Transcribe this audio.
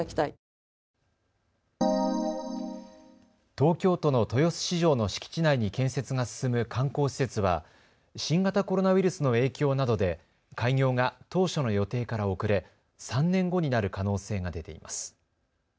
東京都の豊洲市場の敷地内に建設が進む観光施設は新型コロナウイルスの影響などで開業が当初の予定から遅れ３年後になる可能性が出ています。